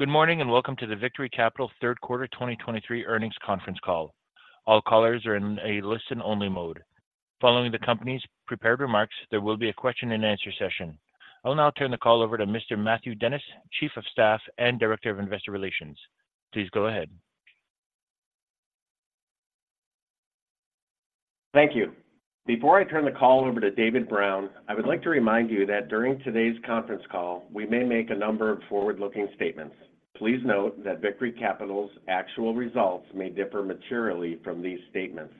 Good morning, and welcome to the Victory Capital third quarter 2023 earnings conference call. All callers are in a listen-only mode. Following the company's prepared remarks, there will be a question-and-answer session. I'll now turn the call over to Mr. Matthew Dennis, Chief of Staff and Director of Investor Relations. Please go ahead. Thank you. Before I turn the call over to David Brown, I would like to remind you that during today's conference call, we may make a number of forward-looking statements. Please note that Victory Capital's actual results may differ materially from these statements.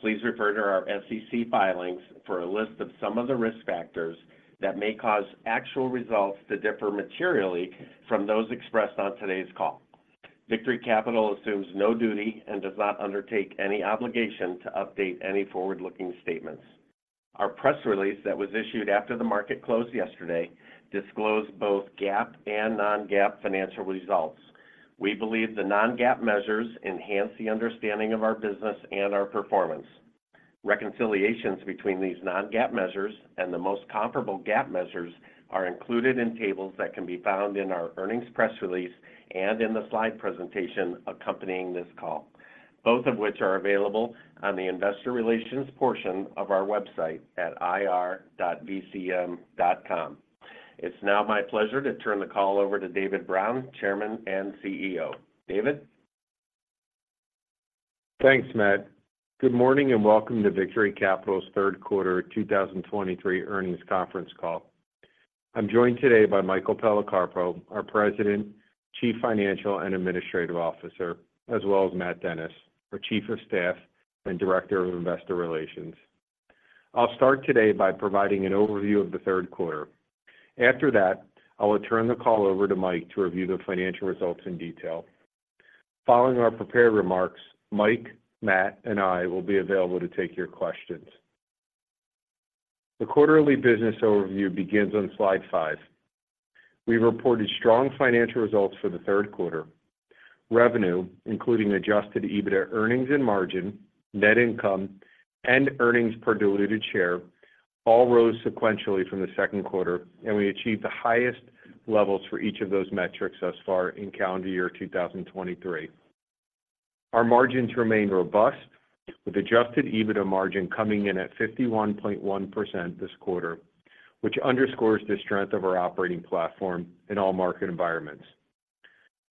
Please refer to our SEC filings for a list of some of the risk factors that may cause actual results to differ materially from those expressed on today's call. Victory Capital assumes no duty and does not undertake any obligation to update any forward-looking statements. Our press release that was issued after the market closed yesterday disclosed both GAAP and non-GAAP financial results. We believe the non-GAAP measures enhance the understanding of our business and our performance. Reconciliations between these non-GAAP measures and the most comparable GAAP measures are included in tables that can be found in our earnings press release and in the slide presentation accompanying this call, both of which are available on the investor relations portion of our website at ir.vcm.com. It's now my pleasure to turn the call over to David Brown, Chairman and CEO. David? Thanks, Matt. Good morning, and welcome to Victory Capital's third quarter 2023 earnings conference call. I'm joined today by Michael Policarpo, our President, Chief Financial Officer, and Chief Administrative Officer, as well as Matt Dennis, our Chief of Staff and Director of Investor Relations. I'll start today by providing an overview of the third quarter. After that, I will turn the call over to Mike to review the financial results in detail. Following our prepared remarks, Mike, Matt, and I will be available to take your questions. The quarterly business overview begins on slide five. We reported strong financial results for the third quarter. Revenue, including adjusted EBITDA, earnings and margin, net income, and earnings per diluted share, all rose sequentially from the second quarter, and we achieved the highest levels for each of those metrics thus far in calendar year 2023. Our margins remain robust, with Adjusted EBITDA margin coming in at 51.1% this quarter, which underscores the strength of our operating platform in all market environments.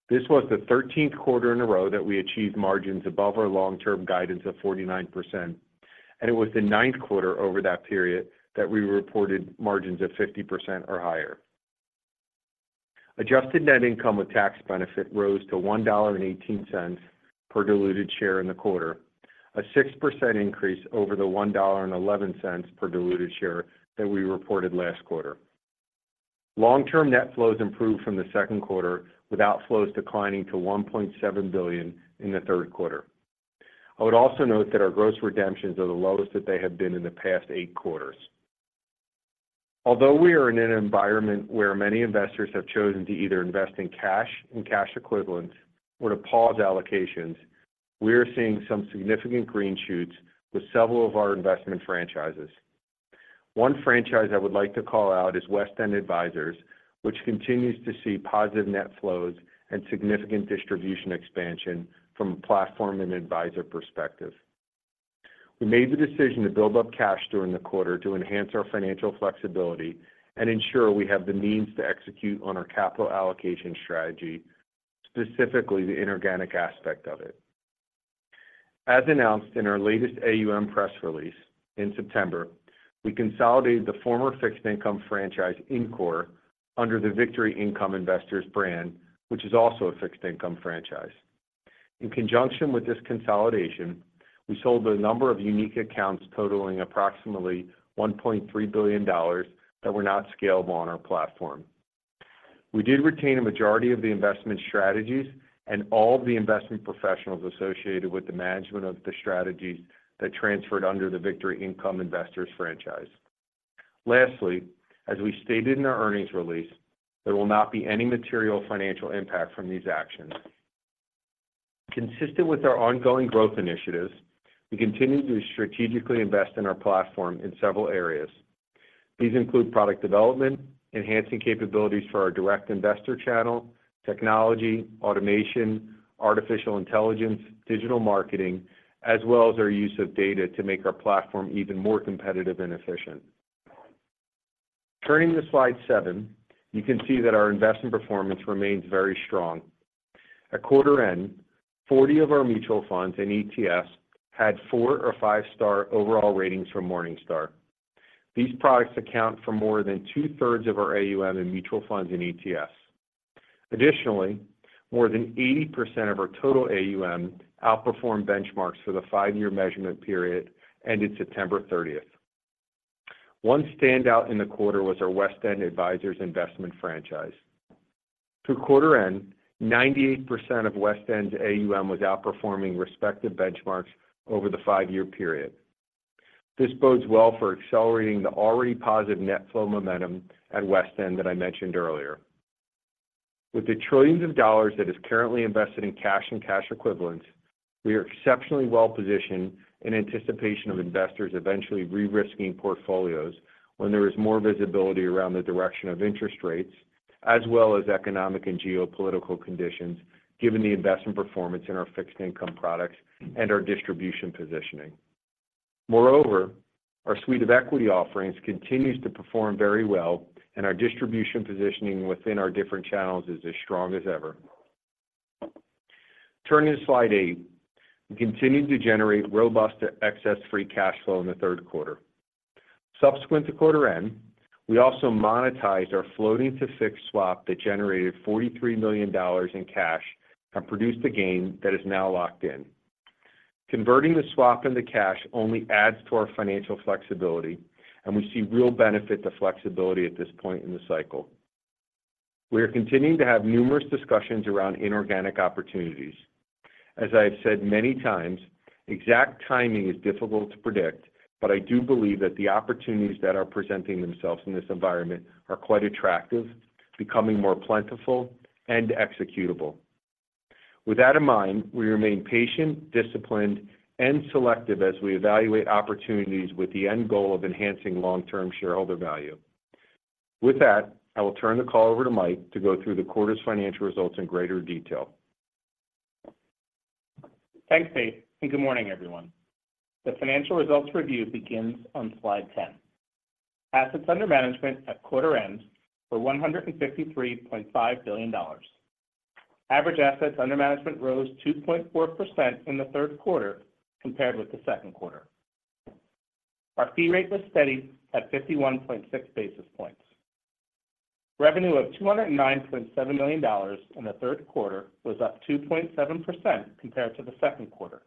This was the thirteenth quarter in a row that we achieved margins above our long-term guidance of 49%, and it was the ninth quarter over that period that we reported margins of 50% or higher. Adjusted Net Income with tax benefit rose to $1.18 per diluted share in the quarter, a 6% increase over the $1.11 per diluted share that we reported last quarter. Long-term net flows improved from the second quarter, with outflows declining to $1.7 billion in the third quarter. I would also note that our gross redemptions are the lowest that they have been in the past eight quarters. Although we are in an environment where many investors have chosen to either invest in cash and cash equivalents or to pause allocations, we are seeing some significant green shoots with several of our investment franchises. One franchise I would like to call out is WestEnd Advisors, which continues to see positive net flows and significant distribution expansion from a platform and advisor perspective. We made the decision to build up cash during the quarter to enhance our financial flexibility and ensure we have the means to execute on our capital allocation strategy, specifically the inorganic aspect of it. As announced in our latest AUM press release in September, we consolidated the former fixed income franchise, INCORE, under the Victory Income Investors brand, which is also a fixed income franchise. In conjunction with this consolidation, we sold a number of unique accounts totaling approximately $1.3 billion that were not scalable on our platform. We did retain a majority of the investment strategies and all the investment professionals associated with the management of the strategies that transferred under the Victory Income Investors franchise. Lastly, as we stated in our earnings release, there will not be any material financial impact from these actions. Consistent with our ongoing growth initiatives, we continue to strategically invest in our platform in several areas. These include product development, enhancing capabilities for our direct investor channel, technology, automation, artificial intelligence, digital marketing, as well as our use of data to make our platform even more competitive and efficient. Turning to slide seven, you can see that our investment performance remains very strong. At quarter end, 40 of our mutual funds and ETFs had 4-star or 5-star overall ratings from Morningstar. These products account for more than 2/3 of our AUM in mutual funds and ETFs. Additionally, more than 80% of our total AUM outperformed benchmarks for the five-year measurement period, ending September 30th. One standout in the quarter was our WestEnd Advisors investment franchise. Through quarter end, 98% of WestEnd's AUM was outperforming respective benchmarks over the five-year period. This bodes well for accelerating the already positive net flow momentum at WestEnd that I mentioned earlier. With the trillions of dollars that is currently invested in cash and cash equivalents...... We are exceptionally well positioned in anticipation of investors eventually re-risking portfolios when there is more visibility around the direction of interest rates, as well as economic and geopolitical conditions, given the investment performance in our fixed income products and our distribution positioning. Moreover, our suite of equity offerings continues to perform very well, and our distribution positioning within our different channels is as strong as ever. Turning to Slide eight. We continued to generate robust excess free cash flow in the third quarter. Subsequent to quarter end, we also monetized our floating-to-fixed Swap that generated $43 million in cash, and produced a gain that is now locked in. Converting the swap into cash only adds to our financial flexibility, and we see real benefit to flexibility at this point in the cycle. We are continuing to have numerous discussions around inorganic opportunities. As I have said many times, exact timing is difficult to predict, but I do believe that the opportunities that are presenting themselves in this environment are quite attractive, becoming more plentiful and executable. With that in mind, we remain patient, disciplined, and selective as we evaluate opportunities with the end goal of enhancing long-term shareholder value. With that, I will turn the call over to Mike to go through the quarter's financial results in greater detail. Thanks, Dave, and good morning, everyone. The financial results review begins on slide 10. Assets under management at quarter end were $153.5 billion. Average assets under management rose 2.4% in the third quarter compared with the second quarter. Our fee rate was steady at 51.6 basis points. Revenue of $209.7 million in the third quarter was up 2.7% compared to the second quarter.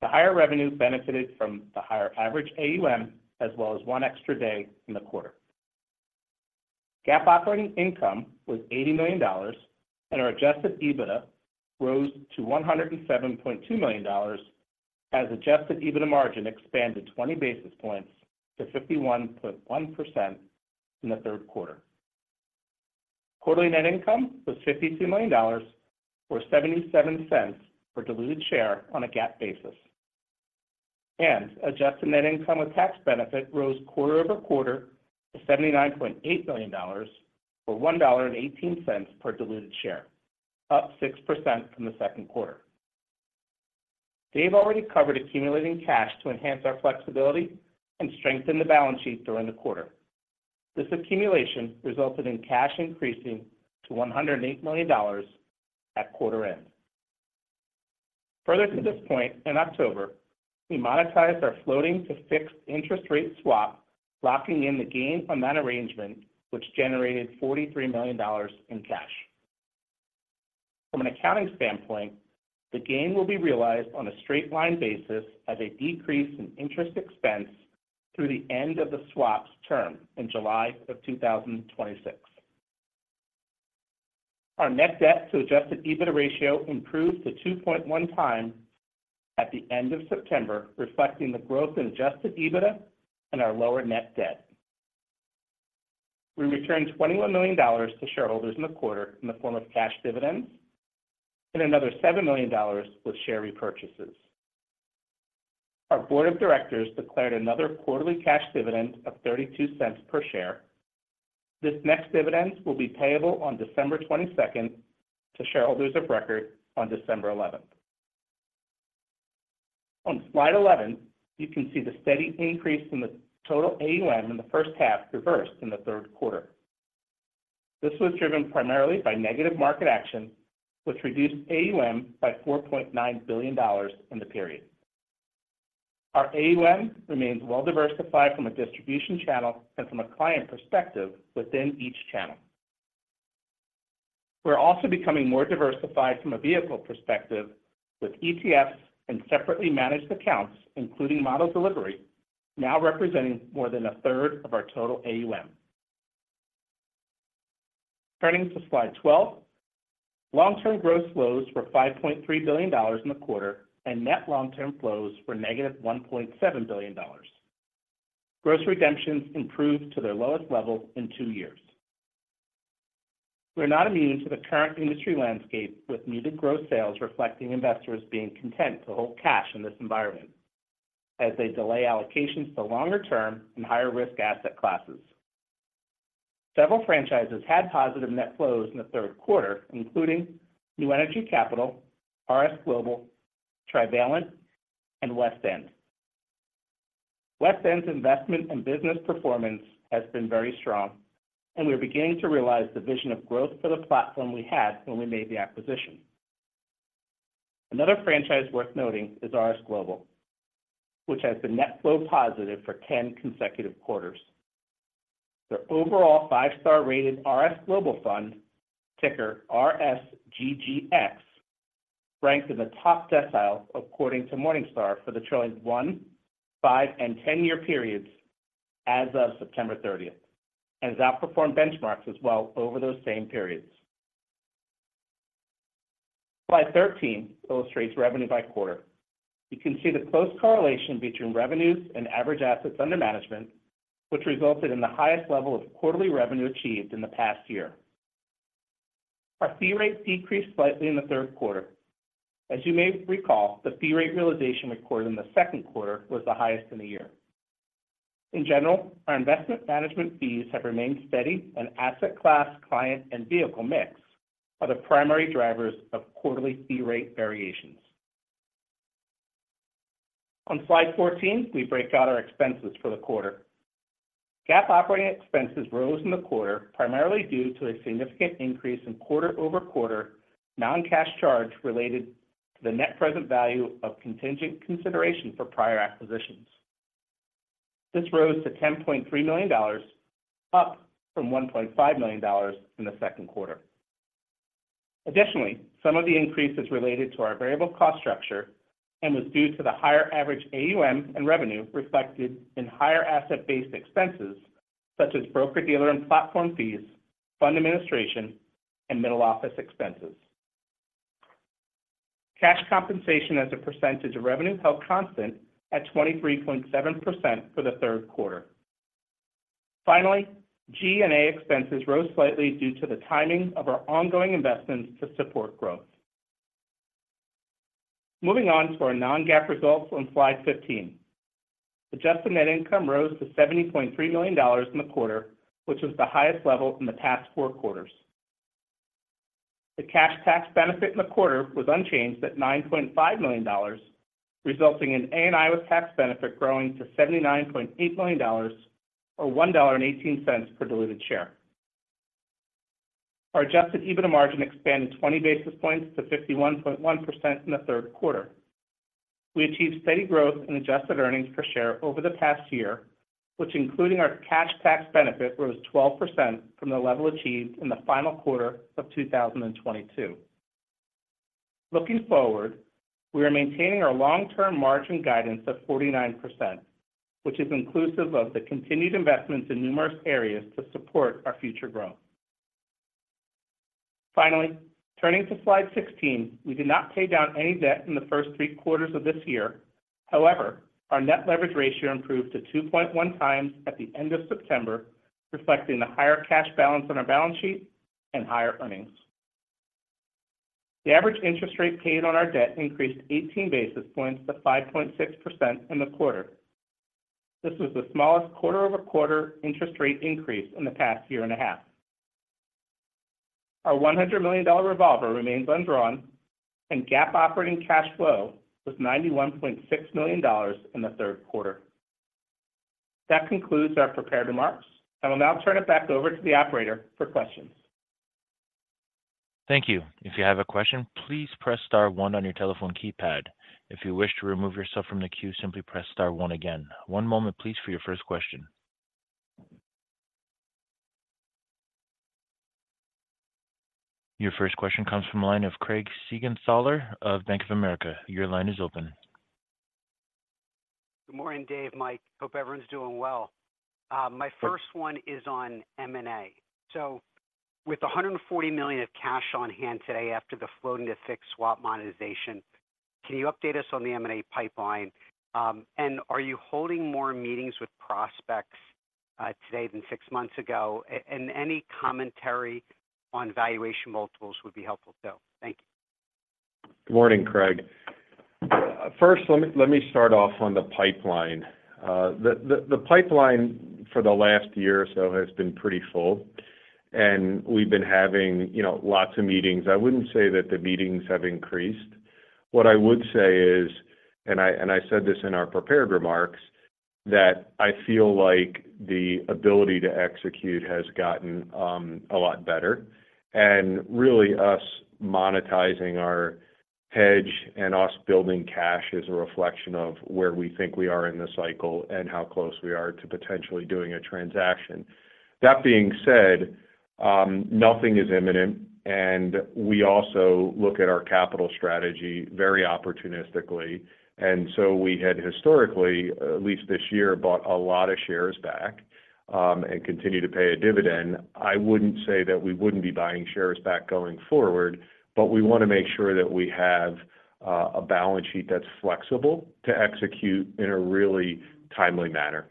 The higher revenue benefited from the higher average AUM, as well as one extra day in the quarter. GAAP operating income was $80 million, and our adjusted EBITDA rose to $107.2 million, as adjusted EBITDA margin expanded 20 basis points to 51.1% in the third quarter. Quarterly net income was $52 million, or $0.77 per diluted share on a GAAP basis. Adjusted net income with tax benefit rose quarter-over-quarter to $79.8 million, or $1.18 per diluted share, up 6% from the second quarter. Dave already covered accumulating cash to enhance our flexibility and strengthen the balance sheet during the quarter. This accumulation resulted in cash increasing to $108 million at quarter end. Further to this point, in October, we monetized our floating-to-fixed interest rate swap, locking in the gain on that arrangement, which generated $43 million in cash. From an accounting standpoint, the gain will be realized on a straight-line basis as a decrease in interest expense through the end of the swap's term in July 2026. Our net debt to Adjusted EBITDA ratio improved to 2.1x at the end of September, reflecting the growth in Adjusted EBITDA and our lower net debt. We returned $21 million to shareholders in the quarter in the form of cash dividends, and another $7 million with share repurchases. Our board of directors declared another quarterly cash dividend of $0.32 per share. This next dividend will be payable on December 2nd to shareholders of record on December eleventh. On slide 11, you can see the steady increase in the total AUM in the first half reversed in the third quarter. This was driven primarily by negative market action, which reduced AUM by $4.9 billion in the period. Our AUM remains well-diversified from a distribution channel and from a client perspective within each channel. We're also becoming more diversified from a vehicle perspective, with ETFs and separately managed accounts, including model delivery, now representing more than a third of our total AUM. Turning to slide 12. Long-term gross flows were $5.3 billion in the quarter, and net long-term flows were -$1.7 billion. Gross redemptions improved to their lowest level in two years. We are not immune to the current industry landscape, with muted gross sales reflecting investors being content to hold cash in this environment as they delay allocations to longer-term and higher-risk asset classes. Several franchises had positive net flows in the third quarter, including New Energy Capital, RS Global, Trivalent, and WestEnd. WestEnd's investment and business performance has been very strong, and we are beginning to realize the vision of growth for the platform we had when we made the acquisition. Another franchise worth noting is RS Global, which has been net flow positive for 10 consecutive quarters. Their overall five-star rated RS Global Fund, ticker RSGGX, ranked in the top decile according to Morningstar for the trailing one, five, and 10-year periods as of September thirtieth, and has outperformed benchmarks as well over those same periods. Slide 13 illustrates revenue by quarter…. You can see the close correlation between revenues and average assets under management, which resulted in the highest level of quarterly revenue achieved in the past year. Our fee rates decreased slightly in the third quarter. As you may recall, the fee rate realization recorded in the second quarter was the highest in the year. In general, our investment management fees have remained steady, and asset class, client, and vehicle mix are the primary drivers of quarterly fee rate variations. On Slide 14, we break out our expenses for the quarter. GAAP operating expenses rose in the quarter, primarily due to a significant increase in quarter-over-quarter non-cash charge related to the net present value of contingent consideration for prior acquisitions. This rose to $10.3 million, up from $1.5 million in the second quarter. Additionally, some of the increase is related to our variable cost structure and was due to the higher average AUM and revenue reflected in higher asset-based expenses, such as broker-dealer and platform fees, fund administration, and middle office expenses. Cash compensation as a percentage of revenue held constant at 23.7% for the third quarter. Finally, G&A expenses rose slightly due to the timing of our ongoing investments to support growth. Moving on to our non-GAAP results on Slide 15. Adjusted net income rose to $70.3 million in the quarter, which was the highest level in the past four quarters. The cash tax benefit in the quarter was unchanged at $9.5 million, resulting in ANI with tax benefit growing to $79.8 million, or $1.18 per diluted share. Our adjusted EBITDA margin expanded 20 basis points to 51.1% in the third quarter. We achieved steady growth in adjusted earnings per share over the past year, which, including our cash tax benefit, rose 12% from the level achieved in the final quarter of 2022. Looking forward, we are maintaining our long-term margin guidance of 49%, which is inclusive of the continued investments in numerous areas to support our future growth. Finally, turning to Slide 16, we did not pay down any debt in the first three quarters of this year. However, our net leverage ratio improved to 2.1x at the end of September, reflecting the higher cash balance on our balance sheet and higher earnings. The average interest rate paid on our debt increased 18 basis points to 5.6% in the quarter. This was the smallest quarter-over-quarter interest rate increase in the past year and a half. Our $100 million revolver remains undrawn, and GAAP operating cash flow was $91.6 million in the third quarter. That concludes our prepared remarks. I will now turn it back over to the operator for questions. Thank you. If you have a question, please press star one on your telephone keypad. If you wish to remove yourself from the queue, simply press star one again. One moment please, for your first question. Your first question comes from the line of Craig Siegenthaler of Bank of America. Your line is open. Good morning, Dave, Mike. Hope everyone's doing well. My first one is on M&A. So with $140 million of cash on hand today after the floating-to-fixed swap monetization, can you update us on the M&A pipeline? And are you holding more meetings with prospects today than six months ago? And any commentary on valuation multiples would be helpful too. Thank you. Good morning, Craig. First, let me start off on the pipeline. The pipeline for the last year or so has been pretty full, and we've been having, you know, lots of meetings. I wouldn't say that the meetings have increased. What I would say is, and I said this in our prepared remarks, that I feel like the ability to execute has gotten a lot better. And really, us monetizing our hedge and us building cash is a reflection of where we think we are in the cycle and how close we are to potentially doing a transaction. That being said, nothing is imminent, and we also look at our capital strategy very opportunistically. And so we had historically, at least this year, bought a lot of shares back, and continue to pay a dividend. I wouldn't say that we wouldn't be buying shares back going forward, but we want to make sure that we have a balance sheet that's flexible to execute in a really timely manner.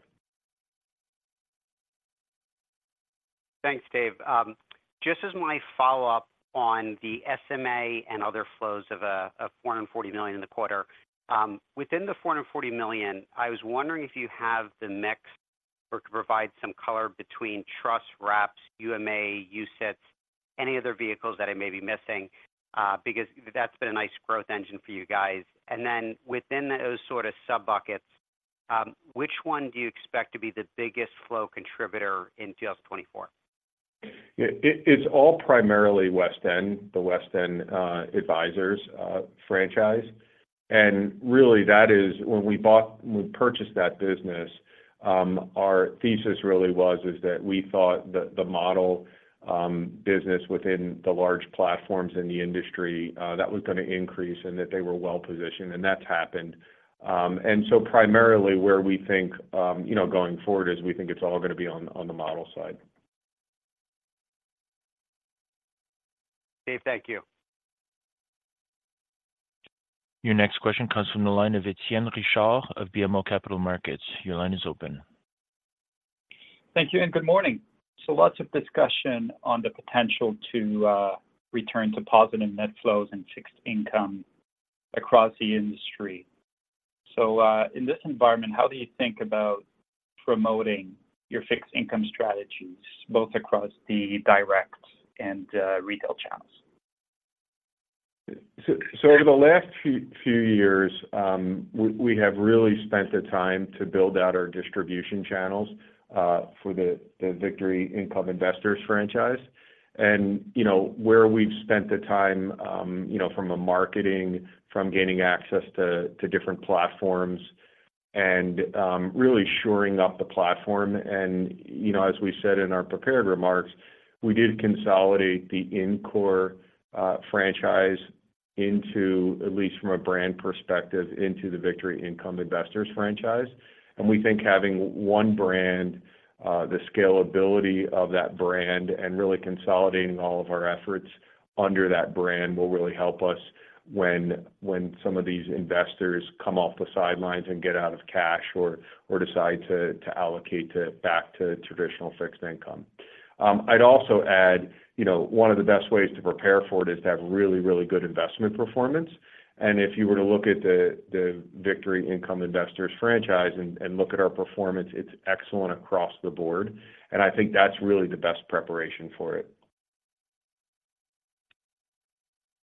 Thanks, Dave. Just as my follow-up on the SMA and other flows of $440 million in the quarter. Within the $440 million, I was wondering if you have the mix or could provide some color between trusts, wraps, UMA, UCITS, any other vehicles that I may be missing, because that's been a nice growth engine for you guys. And then within those sort of sub-buckets, which one do you expect to be the biggest flow contributor in 2024? Yeah, it's all primarily WestEnd Advisors franchise. Really, that is when we bought—we purchased that business, our thesis really was, is that we thought that the model business within the large platforms in the industry that was going to increase and that they were well-positioned, and that's happened. So primarily where we think, you know, going forward is we think it's all going to be on the model side. Dave, thank you. Your next question comes from the line of Etienne Ricard of BMO Capital Markets. Your line is open. Thank you and good morning. Lots of discussion on the potential to return to positive net flows and fixed income across the industry. In this environment, how do you think about promoting your fixed income strategies, both across the direct and retail channels? So over the last few years, we have really spent the time to build out our distribution channels for the Victory Income Investors franchise. And, you know, where we've spent the time, you know, from a marketing, from gaining access to different platforms and really shoring up the platform. And, you know, as we said in our prepared remarks, we did consolidate the Incore franchise into, at least from a brand perspective, into the Victory Income Investors franchise. And we think having one brand, the scalability of that brand, and really consolidating all of our efforts under that brand will really help us when some of these investors come off the sidelines and get out of cash or decide to allocate to back to traditional fixed income. I'd also add, you know, one of the best ways to prepare for it is to have really, really good investment performance. And if you were to look at the Victory Income Investors franchise and look at our performance, it's excellent across the board, and I think that's really the best preparation for it.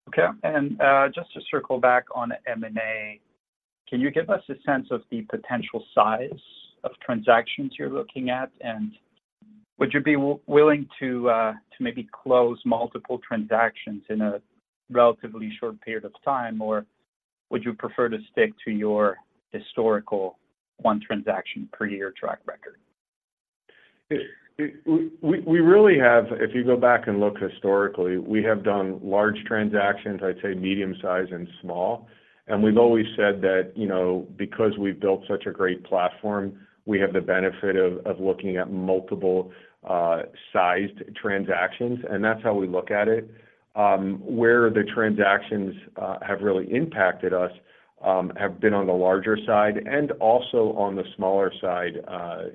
Okay. And just to circle back on M&A, can you give us a sense of the potential size of transactions you're looking at? And would you be willing to maybe close multiple transactions in a relatively short period of time, or would you prefer to stick to your historical one transaction per year track record? We really have— If you go back and look historically, we have done large transactions, I'd say medium-size and small. And we've always said that, you know, because we've built such a great platform, we have the benefit of looking at multiple sized transactions, and that's how we look at it. Where the transactions have really impacted us have been on the larger side and also on the smaller side.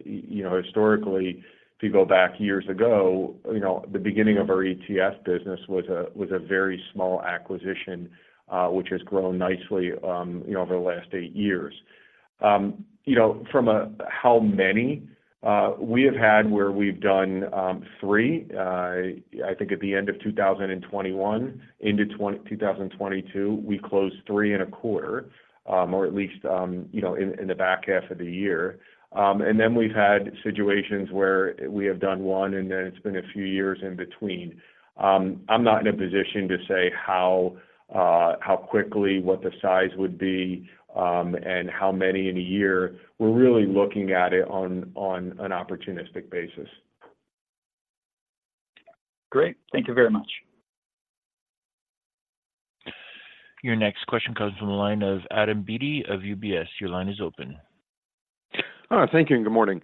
You know, historically, if you go back years ago, you know, the beginning of our ETF business was a very small acquisition, which has grown nicely, you know, over the last eight years. You know, from a how many we have had where we've done three. I think at the end of 2021 into 2022, we closed 3.25, or at least, you know, in the back half of the year. And then we've had situations where we have done one, and then it's been a few years in between. I'm not in a position to say how quickly, what the size would be, and how many in a year. We're really looking at it on an opportunistic basis. Great. Thank you very much. Your next question comes from the line of Adam Beatty of UBS. Your line is open. Thank you, and good morning.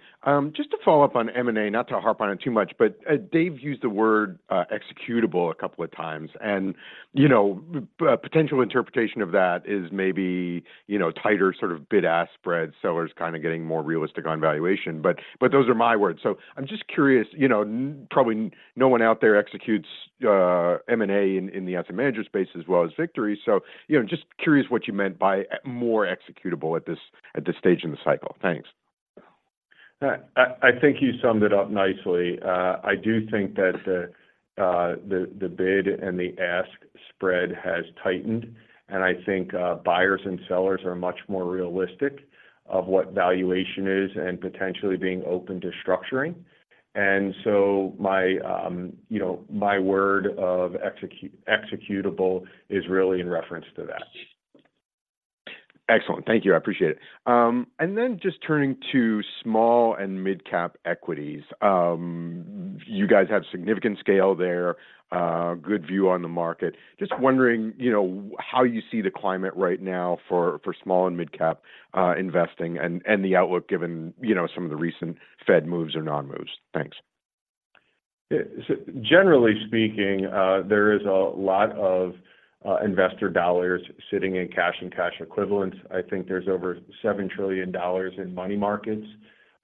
Just to follow up on M&A, not to harp on it too much, but Dave used the word executable a couple of times, and, you know, potential interpretation of that is maybe, you know, tighter sort of bid-ask spread, sellers kind of getting more realistic on valuation. But those are my words. So I'm just curious, you know, probably no one out there executes M&A in the asset manager space as well as Victory. So, you know, just curious what you meant by more executable at this stage in the cycle. Thanks. I think you summed it up nicely. I do think that the bid and the ask spread has tightened, and I think buyers and sellers are much more realistic of what valuation is and potentially being open to structuring. And so my, you know, my word of executable is really in reference to that. Excellent. Thank you. I appreciate it. Just turning to small and mid-cap equities. You guys have significant scale there, good view on the market. Just wondering, you know, how you see the climate right now for small and mid-cap investing, and the outlook given, you know, some of the recent Fed moves or non-moves. Thanks. So generally speaking, there is a lot of investor dollars sitting in cash and cash equivalents. I think there's over $7 trillion in money markets.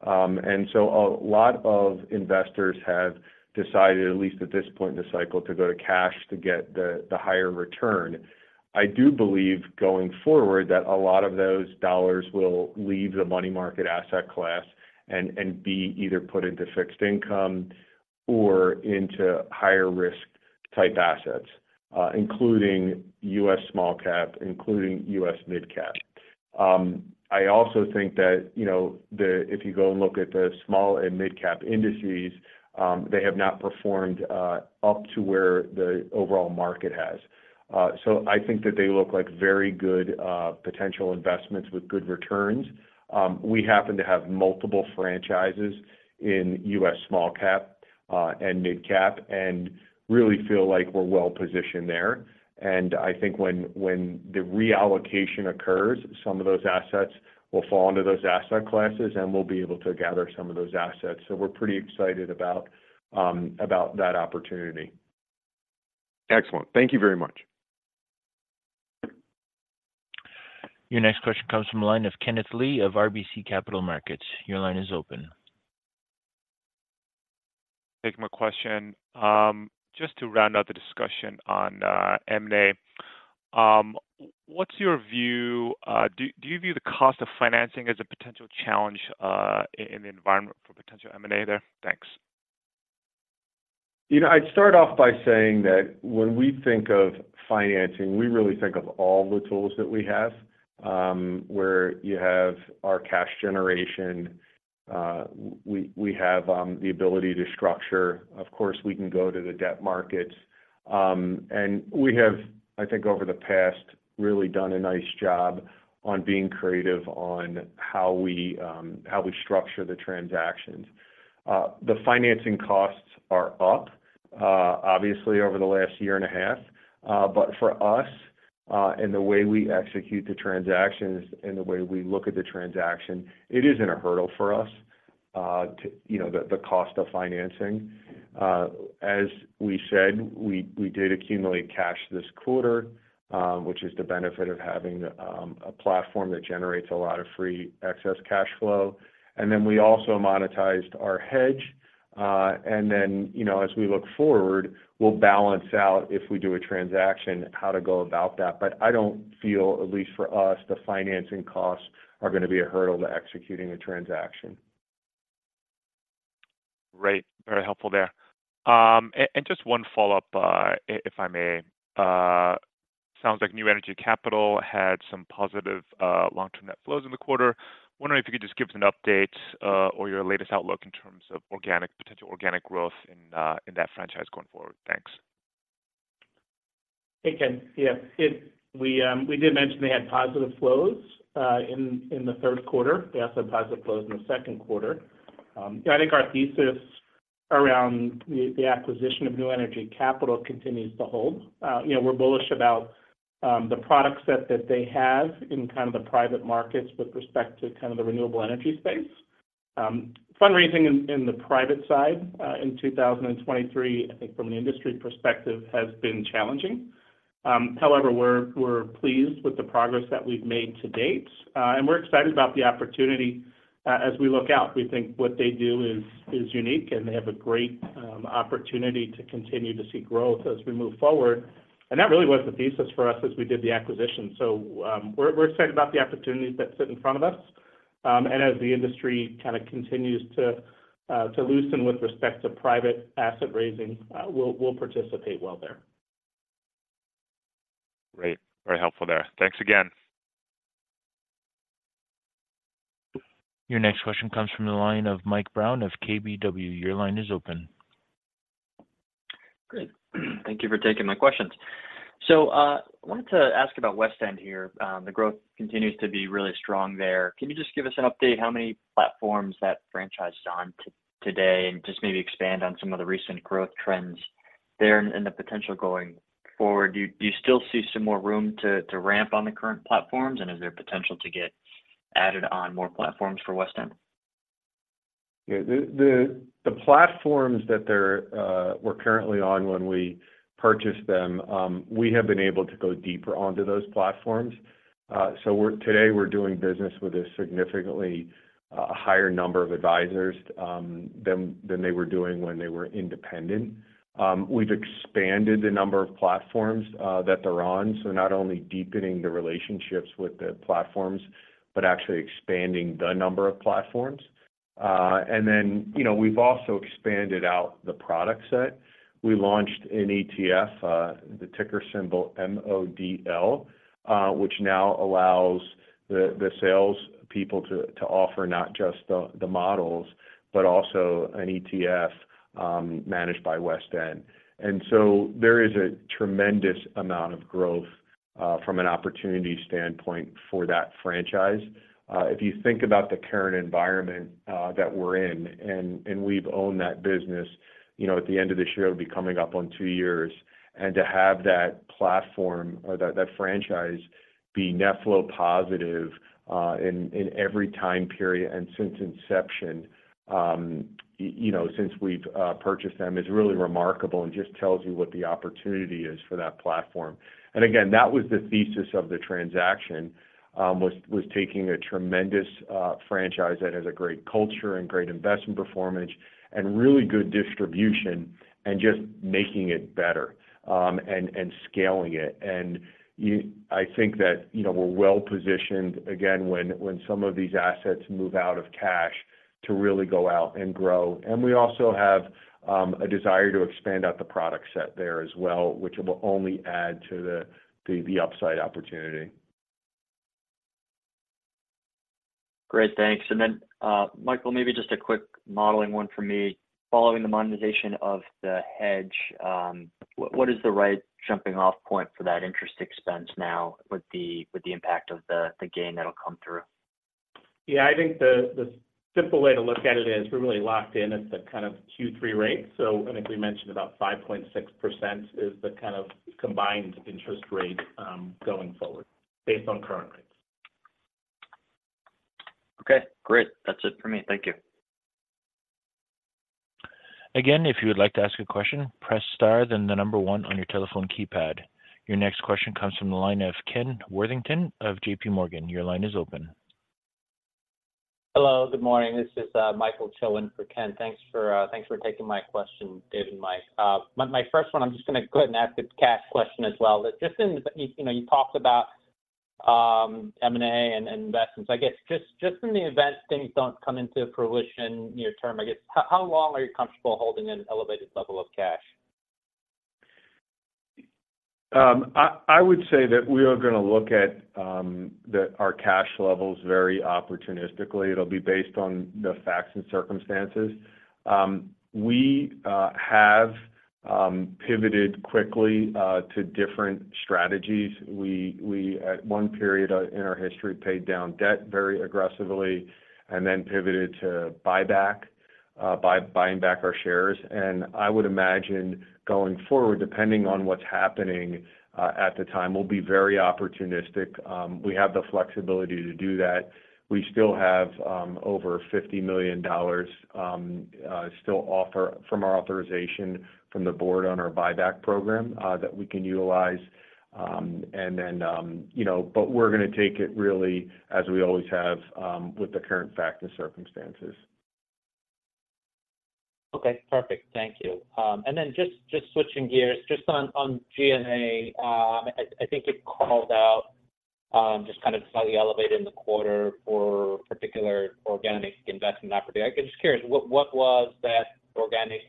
And so a lot of investors have decided, at least at this point in the cycle, to go to cash to get the higher return. I do believe, going forward, that a lot of those dollars will leave the money market asset class and be either put into fixed income or into higher risk-type assets, including U.S. small cap, including U.S. mid cap. I also think that, you know, the if you go and look at the small and mid-cap industries, they have not performed up to where the overall market has. So I think that they look like very good potential investments with good returns. We happen to have multiple franchises in U.S. small cap and mid cap, and really feel like we're well positioned there. And I think when the reallocation occurs, some of those assets will fall into those asset classes, and we'll be able to gather some of those assets. So we're pretty excited about that opportunity. Excellent. Thank you very much.... Your next question comes from the line of Kenneth Lee of RBC Capital Markets. Your line is open. Thank you. My question, just to round out the discussion on M&A, what's your view? Do you view the cost of financing as a potential challenge in the environment for potential M&A there? Thanks. You know, I'd start off by saying that when we think of financing, we really think of all the tools that we have, where you have our cash generation, we have the ability to structure. Of course, we can go to the debt markets. And we have, I think, over the past, really done a nice job on being creative on how we structure the transactions. The financing costs are up, obviously, over the last year and a half, but for us, and the way we execute the transactions and the way we look at the transaction, it isn't a hurdle for us, to you know the cost of financing. As we said, we did accumulate cash this quarter, which is the benefit of having a platform that generates a lot of free excess cash flow. And then we also monetized our hedge. And then, you know, as we look forward, we'll balance out, if we do a transaction, how to go about that. But I don't feel, at least for us, the financing costs are going to be a hurdle to executing a transaction. Great, very helpful there. And just one follow-up, if I may. Sounds like New Energy Capital had some positive long-term net flows in the quarter. Wondering if you could just give us an update or your latest outlook in terms of organic potential organic growth in that franchise going forward. Thanks. Hey, Ken. Yeah, we did mention they had positive flows in the third quarter. They also had positive flows in the second quarter. I think our thesis around the acquisition of New Energy Capital continues to hold. You know, we're bullish about the product set that they have in kind of the private markets with respect to kind of the renewable energy space. Fundraising in the private side in 2023, I think from an industry perspective, has been challenging. However, we're pleased with the progress that we've made to date, and we're excited about the opportunity as we look out. We think what they do is unique, and they have a great opportunity to continue to see growth as we move forward. That really was the thesis for us as we did the acquisition. We're excited about the opportunities that sit in front of us, and as the industry kind of continues to loosen with respect to private asset raising, we'll participate well there. Great. Very helpful there. Thanks again. Your next question comes from the line of Mike Brown of KBW. Your line is open. Great. Thank you for taking my questions. So, I wanted to ask about WestEnd here. The growth continues to be really strong there. Can you just give us an update how many platforms that franchise is on today, and just maybe expand on some of the recent growth trends there and the potential going forward? Do you still see some more room to ramp on the current platforms? And is there potential to get added on more platforms for WestEnd? Yeah, the platforms that they were currently on when we purchased them, we have been able to go deeper onto those platforms. So we're today we're doing business with a significantly higher number of advisors than they were doing when they were independent. We've expanded the number of platforms that they're on. So not only deepening the relationships with the platforms, but actually expanding the number of platforms. And then, you know, we've also expanded out the product set. We launched an ETF, the ticker symbol MODL, which now allows the sales people to offer not just the models, but also an ETF, managed by WestEnd. And so there is a tremendous amount of growth from an opportunity standpoint for that franchise. If you think about the current environment that we're in and we've owned that business, you know, at the end of this year, it'll be coming up on two years. To have that platform or that franchise be net flow positive in every time period and since inception, you know, since we've purchased them, is really remarkable and just tells you what the opportunity is for that platform. And again, that was the thesis of the transaction was taking a tremendous franchise that has a great culture and great investment performance and really good distribution, and just making it better and scaling it. And you, I think that, you know, we're well positioned, again, when some of these assets move out of cash, to really go out and grow. We also have a desire to expand out the product set there as well, which will only add to the upside opportunity. Great, thanks. And then, Michael, maybe just a quick modeling one for me. Following the monetization of the hedge, what, what is the right jumping off point for that interest expense now with the, with the impact of the, the gain that'll come through? Yeah, I think the simple way to look at it is we're really locked in at the kind of Q3 rate. So I think we mentioned about 5.6% is the kind of combined interest rate, going forward, based on current rates. Okay, great. That's it for me. Thank you.... Again, if you would like to ask a question, press star, then the number one on your telephone keypad. Your next question comes from the line of Ken Worthington of JP Morgan. Your line is open. Hello, good morning. This is, Michael Chuan for Ken. Thanks for, thanks for taking my question, Dave and Mike. My, my first one, I'm just gonna go ahead and ask a cash question as well. But just in, you, you know, you talked about, M&A and, and investments. I guess, just, just in the event things don't come into fruition near term, I guess, how, how long are you comfortable holding an elevated level of cash? I would say that we are gonna look at our cash levels very opportunistically. It'll be based on the facts and circumstances. We have pivoted quickly to different strategies. We at one period in our history paid down debt very aggressively and then pivoted to buyback by buying back our shares. And I would imagine going forward, depending on what's happening at the time, we'll be very opportunistic. We have the flexibility to do that. We still have over $50 million from our authorization from the board on our buyback program that we can utilize. And then, you know, but we're gonna take it really as we always have with the current facts and circumstances. Okay, perfect. Thank you. And then just, just switching gears, just on, on GNA, I think it called out, just kind of slightly elevated in the quarter for particular organic investment opportunity. I'm just curious, what was that organic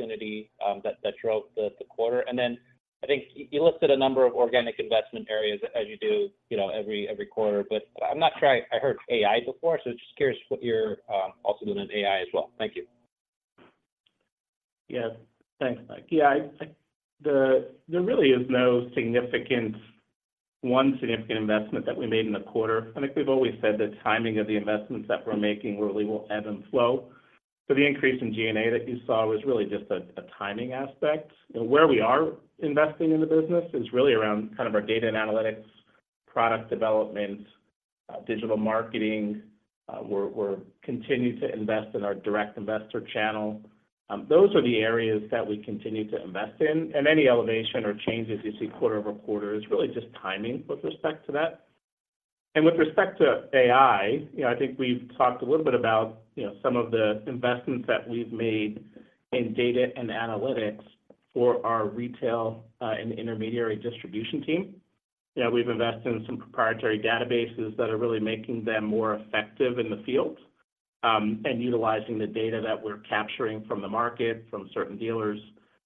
opportunity that drove the quarter? And then I think you listed a number of organic investment areas as you do, you know, every quarter. But I'm not sure I heard AI before, so just curious what you're also doing in AI as well. Thank you. Yeah. Thanks, Mike. Yeah, there really is no one significant investment that we made in the quarter. I think we've always said the timing of the investments that we're making really will ebb and flow. So the increase in G&A that you saw was really just a timing aspect. Where we are investing in the business is really around kind of our data and analytics, product development, digital marketing. We're continuing to invest in our direct investor channel. Those are the areas that we continue to invest in, and any elevation or changes you see quarter-over-quarter is really just timing with respect to that. With respect to AI, you know, I think we've talked a little bit about, you know, some of the investments that we've made in data and analytics for our retail and intermediary distribution team. You know, we've invested in some proprietary databases that are really making them more effective in the field and utilizing the data that we're capturing from the market, from certain dealers.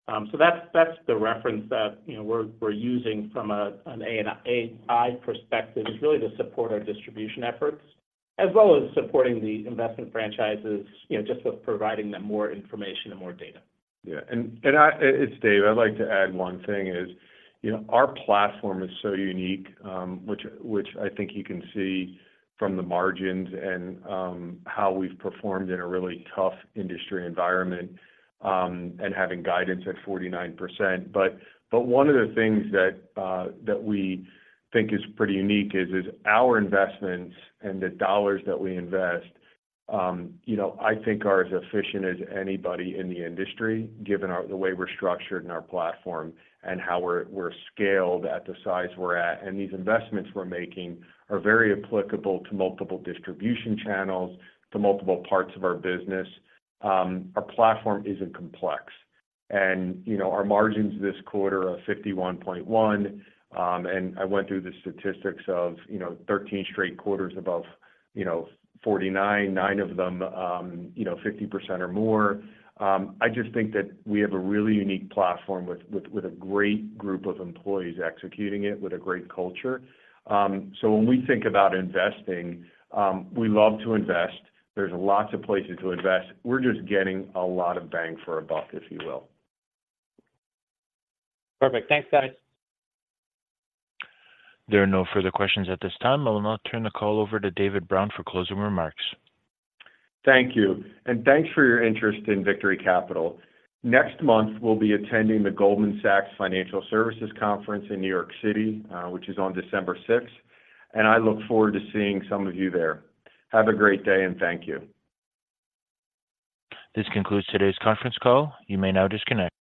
So that's the reference that, you know, we're using from an AI perspective. It's really to support our distribution efforts, as well as supporting the investment franchises, you know, just with providing them more information and more data. Yeah. And I... It's Dave. I'd like to add one thing is, you know, our platform is so unique, which I think you can see from the margins and how we've performed in a really tough industry environment, and having guidance at 49%. But one of the things that that we think is pretty unique is our investments and the dollars that we invest, you know, I think are as efficient as anybody in the industry, given our the way we're structured in our platform and how we're scaled at the size we're at. And these investments we're making are very applicable to multiple distribution channels, to multiple parts of our business. Our platform isn't complex, and, you know, our margins this quarter are 51.1%. And I went through the statistics of, you know, 13 straight quarters above, you know, 49, nine of them, you know, 50% or more. I just think that we have a really unique platform with, with, with a great group of employees executing it with a great culture. So when we think about investing, we love to invest. There's lots of places to invest. We're just getting a lot of bang for our buck, if you will. Perfect. Thanks, guys. There are no further questions at this time. I will now turn the call over to David Brown for closing remarks. Thank you, and thanks for your interest in Victory Capital. Next month, we'll be attending the Goldman Sachs Financial Services Conference in New York City, which is on December sixth, and I look forward to seeing some of you there. Have a great day, and thank you. This concludes today's conference call. You may now disconnect.